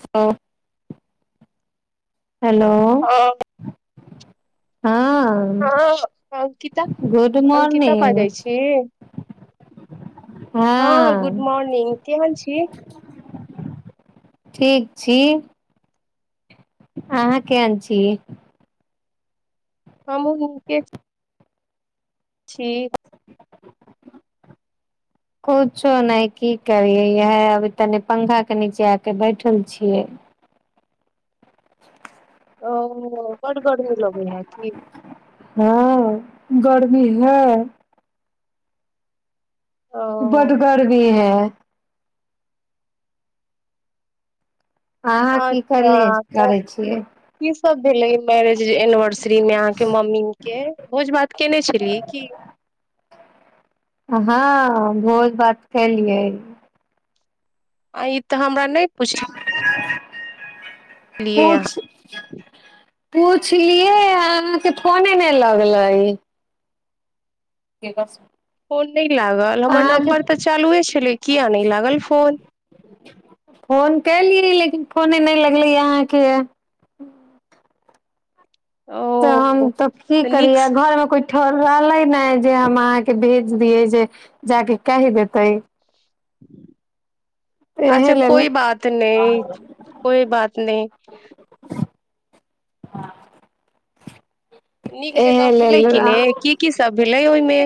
Hello hello हँ हँ हँ अंकिता गुड अंकिता मॉर्निंग बाजै छी हँ गुड मॉर्निंग केहन छी ठीक छी अहाँ केहन छी हमहूँ नीके छी ठीक कुछो नहि की करियै इहाए अभी तनि पंखा के नीचे आके बैठल छियै ओ बड्ड गर्मी लगै है की हँ गर्मी है ओ बड्ड गर्मी है अहाँ की अच्छा करलियै तऽ करै छियै कीसभ भेलै मैरेज एनिवर्सरीमे अहाँके मम्मीके भोज भात केयने छलियै की हँ भोज भात केलियै आ ई तऽ हमर नहि पुछ पूछ पूछलियै ऐं अहाँके फोने नहि लगलै [unintelligible] फोन नहि लागल हमर अहाँके नम्बर तऽ चालूए छलै किए नहि लागल फोन फोन केयलियै लेकिन फोने नहि लगलैए अहाँके तऽ हम ओ तऽ की करियै घरमे कोइ ठल रहलै ने जे हम अहाँके भेज दियै जे जाके कहि देते [inaudible] अच्छा लेल कोइ बात नहि कोइ बात नहि [unintelligible] नीक एहे जगह भेलै लेल कि नहि की कीसभ भेलै ओहिमे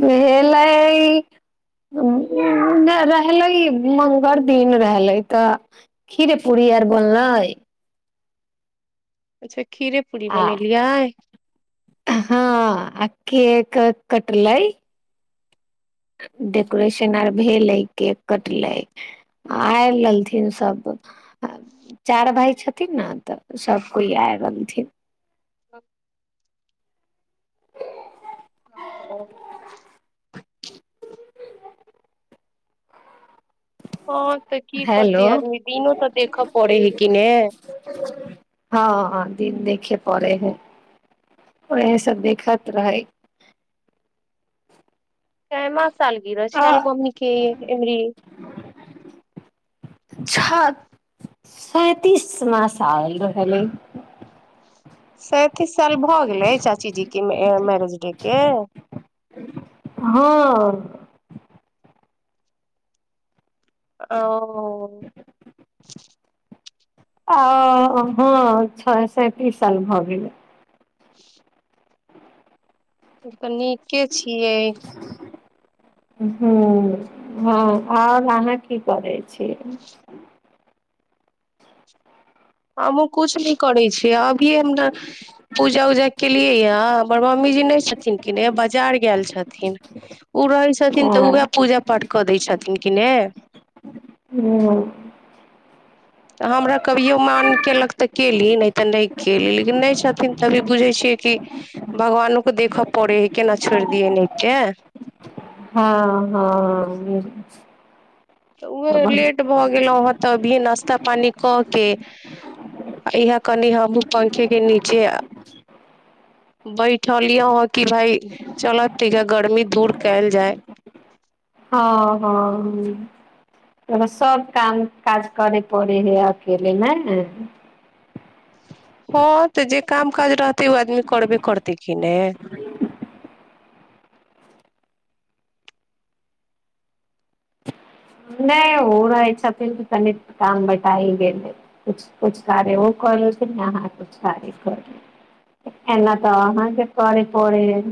भेलै रहलै मङ्गल दिन रहलै तऽ खीर पूरी आर बनलै अच्छा खीरे पूरी आ बनेलियै हँ आ केक कटलै डेकोरेशन आर भेलै केक कटलै आ आयलथिन सभ चारि भाय छथिन ने तऽ सभ कोइ आयल रहलथिन [unintelligible] हेलो हँ तऽ की करतै हेलो आदमी दिनो तऽ देखय पड़े है किने पड़ै है उहे सब देखैत रहै कै मा सालगिरह आ छल मम्मी के एबरी छ सैंतीसमा साल रहलै सैं तीस साल भऽ गेलै चाची जी के मैरेज डे के हँ ओ आ हँ छ सैंतीस साल भऽ गेलै [inaudible] तब तऽ नीके छियै ह्म्म हँ आओर अहाँ की करै छियै हमहूँ कुछ नै करै छियै अभीये हम ने पूजा उजा केलियै यै हँ मम्मी जी नहि छथिन कि ने बाजार गैल छथिन उ रहै छथिन तऽ हँ उह पूजा पाठ कऽ दै छथिन किनेे ओ तऽ हमरा कभिओ मान कयलक तऽ कयली नहि तऽ नहि कयली लेकिन नहि छथिन तभी बुझै छियै कि भगवानोकेँ देखय पड़ै हइ केना छोड़ि दियैन अए के हँ हँ तऽ हँ उएह लेट भऽ गेलहूँ हेँ तऽभी नस- -स्ता पानी कऽ के इहाए कनि हमहूँ पंखे के नीचे बैठलिअ हँ कि भाइ चल त गर्मी दूर कैयल जाय हँ हँ हूँ तऽ सभ काम काज करयै पड़ै हइ अकेले नै हँ तऽ जे काम काज रहतै ओ आदमी करबे करतै की ने नहि ओ रहै छथिन तऽ तनि काम बटाइ गेल कुछ कुछ कार्य ओ क लेलखिन अहाँ कुछ कार्य करे एना तऽ अहाँके करै पड़ै हइ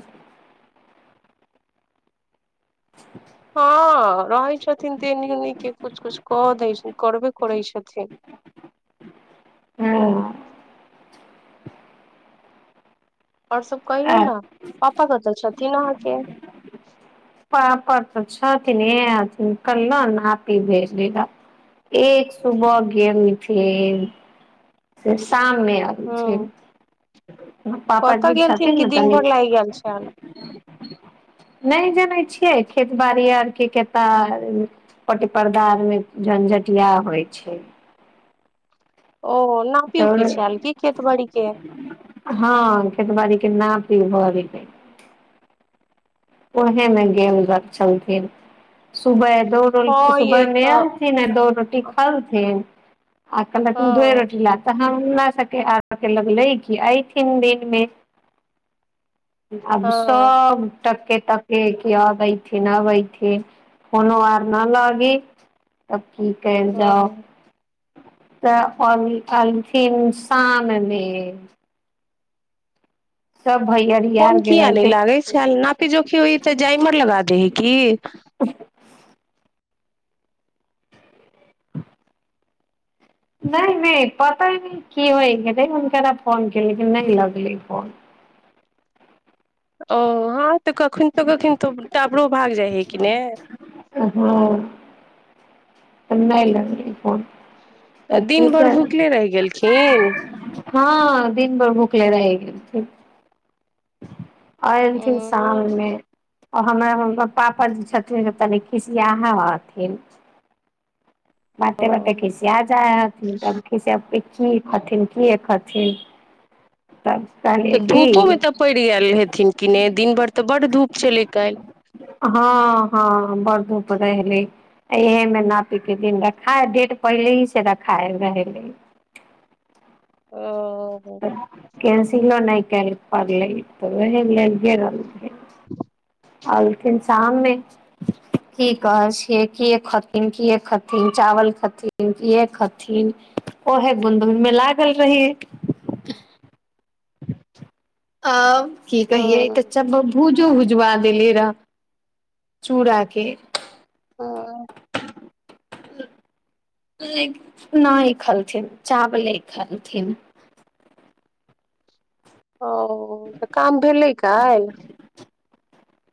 हँ रहै छथिन तनि एनी उनी के कुछ कुछ कऽ दै छैँ करबे- -करै छथिन हँ आओर सब कहियौ ने पापा कतऽ छथिन अहाँके के पापा तऽ छ [unintelligible] कले नापी भेलै या एक सुबह गेलखिन से शाम मे आबै छै ह कतऽ पापाजी गेलथिन छथिन कि ने दिन तनि भरि लागि गेल छल नहि जनै छियै खेत बाड़ी आरके केत्ता पट-पर्दा आरमे झंझटिया होइ छै ओ नापी तऽ उपी छल की खेत बाड़ी के हँ खेतबाड़ी के नाप पी भए गेलै ओहेमे गेल छलखिन सुबह दो रोटी हँ यै सुबह मे तऽ अलथिन आ दो रोटी खालथिन आ कहलखिन गे हँ रोटी लए तऽ हम हमरा सबके आगके लगलै कि एथिन दिनमे आब हँ सब [unintelligible] कि कयल जाउ हँ तऽ अल अलथिन शाममे फोन आर गेल किया नहि रहलथिन लागै छल नापी जोखी होइ तऽ जाइमर लगा दे है कि नहि नहि पता नहि की होय गेलै हुनकरा फोन के लेकिन नहि लगलै फोन ओ हँ तऽ कखनको कखनको तऽ टावरो भाग जाइ है कि ने हँ नहि लगलै फोन तऽ की दिन भर कर भुखले रहि गेलखिन हँ दिन भर भूखले रहि गेलखिन आओर एलथिन उ शाममे आ हमरा पापा जे छथिन से तनि खिसियाह हथिन ओ बाते बाते खिस्या आ जाय हेथिन [unintelligible] की खथिन कि खथिन तब तऽ कहलियै धूपोमे की तऽ पड़ि गेल हेथिन कि ने दिन भरि तऽ बड्ड धूप चलै काल्हि हँ हँ बड़ धूप रहै इह मे नापी दिन देखाय डेट पहिलही से देखाय रहलै ओ कैंसिलो नहि गैल पड़लै तऽ ओहि लेल गेल [inaudible] अलथिन शाममे की कहै छियै किए खथिन किए खथिन चावल खथिन किए खथिन ओहे गुनुन मे लागल रहियै [inaudible] अब की कहियै हँ कचा बा भू भुजबा देलियै रहय चूड़ाके ह नहि खलथिन चावले खलथिन ओ तऽ काम भेलै काल्हि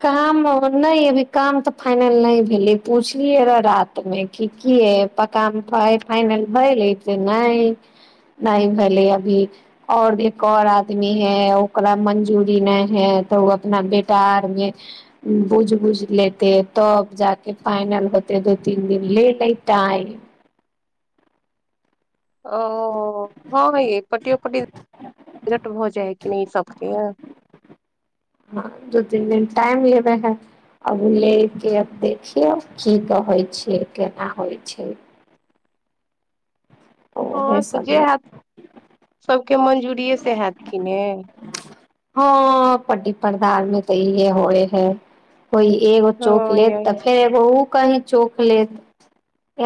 काम नहि अभी काम तऽ फाइनल नहि भेलै पूछलियै र रात मे की ए काम फाइनल भेलै नहि नहि भेलै अभी आओर एक आर आदमी है ओकरा मंजूरी नहि है तऽ ओ अपना बेटा आर बूझ बूझ लेतै तब जाके फाइनल होतै दू तीन दिन लेतै टाइम ओ-अ हँ यै कटियौ कटि लेट भ जाइ [unintelligible] हँ दू तीन दिन टाइम लेबै हइ आब ओ लऽ कऽ आब देखियौ की कहै छै केना होइ छै उहे हँ त जे सबमे हैत सभके मंजूरिए से हैत कि ने हँ पड्डी पदाल मे तऽ इहे होए है कोय एगो चौक हँ लेट यै तऽ फेर उ कही चोक लेत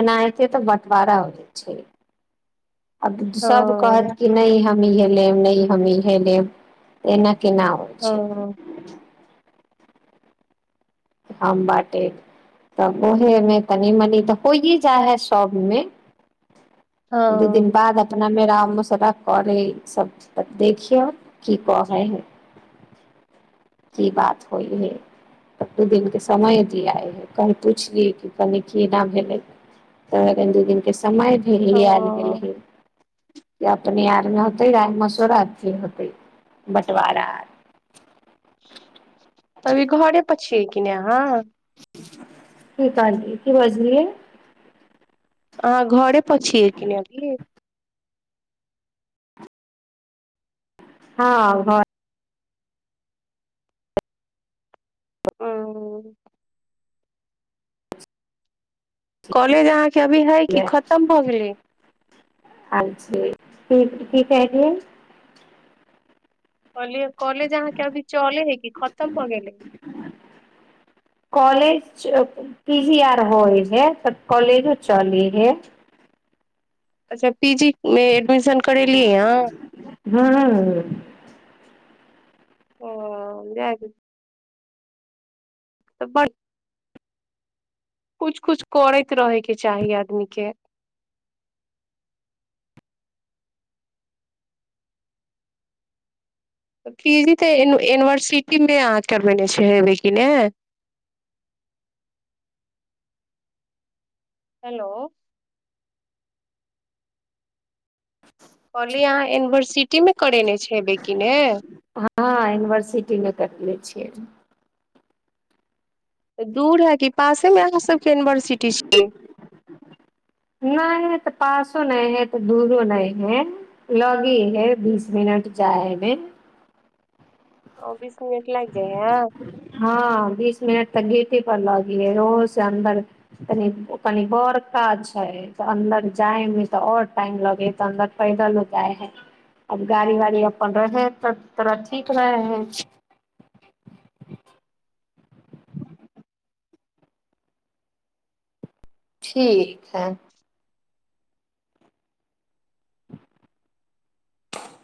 एना हेतै तऽ बँटवारा हो जा छै आब सभ हँ कहत कि नहि हम इहे लेब नय हमी हे लेब एना केना होइ छै हँ हम बाटे तब उहेमे तनि मनि तऽ होइए जाइ हइ सभमे दू हँ दिन बाद मे राम मु सटाके ई सब देखियौ की कहे है की बात होइ हइऽ दू दिनके समय दियाइ हइ कहनि पुछलियै कि कनि की एना भेलै तऽ दू दिनके समय भ लयल गेल हँ ही जे अपने आरमे होतै आ मसूराथी होतै बँटवारा आर तभी घरे पर छि कि ने अहाँ। की कहालिये की बाजलिये अहा घरे पर छिए की न अभि हँ घर ओ कलेज अहा अभी है कि खतम भऽ गेलै? ह जी कि की कहलिये कले कोलेज अहाँके अभी चले है कि खतम हो गेल च पी जी आरऽ होइ है त कॉलेजो चले हे अच्छा पी जी में एडमिशन केलिए हऽ हूँ ओ लै तऽ बड़ कुछ-कुछ करैत रहयके चाही आदमीके पी जी तऽ यूनिवर्सिटीमे अहाँ करबेने छै हेबै किने हेलो कहलियै अहाँ यूनिवर्सिटीमे करेने छै हेबै कि ने हँ इनवर्सिटी मे करने छियै तऽ दूर है कि पासे में कहा सब के इनवर्सिटी छै नहि तऽ पासो नहि है तऽ दूरो नहि है, लगी है बीस मिनट जाय में। ओ बीस मिनिट लागि जाइ है हँ बीस मिनट तऽ गी- की पर लगिय रो से अन्दर तनि कनी बड़का छै तऽ अन्दर जाय मे तऽ और टाइम लगै हइ तऽ अन्दर पैदल लोक जाय हइ आब गाड़ी वाड़ी अपन रहे त तथोड़ा ठीक रहै हइ ठीक है